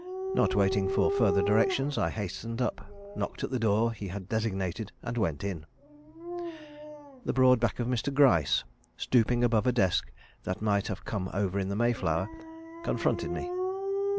Not waiting for further directions, I hastened up, knocked at the door he had designated, and went in. The broad back of Mr. Gryce, stooping above a desk that might have come over in the Mayflower, confronted me.